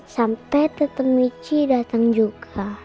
sampai tetemui ci datang juga